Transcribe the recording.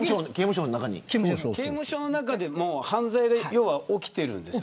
刑務所の中でも犯罪が起きているんですよね。